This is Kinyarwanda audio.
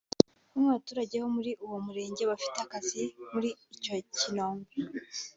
Bamwe mu baturage bo muri uwo murenge bafite akazi muri icyo kirombe